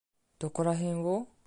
どこらへんを？